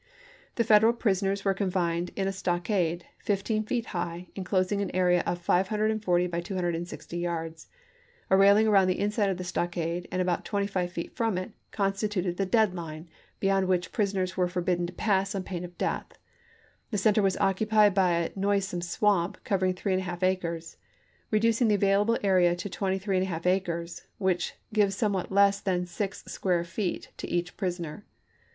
Lieut. Col. Federal prisoners were confined in a stockade, fif teen feet high, inclosing an area of 540 by 260 yards ; a railing around the inside of the stockade, and about twenty feet from it, constituted the dead line, beyond which prisoners were forbidden to pass on pain of death ; the center was occupied by a Ctoacoier noisome swamp covering three and a half acres; aS.^j.864. " reducing the available area to 23 J acres, which Trial of Henry gives somewhat less than six square feet to each p. 224. prisoner."